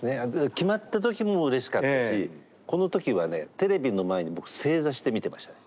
決まった時もうれしかったしこの時はねテレビの前に僕正座して見てましたね。